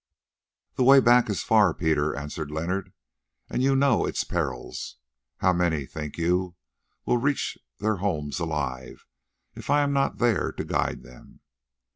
"The way back is far, Peter," answered Leonard, "and you know its perils. How many, think you, will reach their homes alive if I am not there to guide them?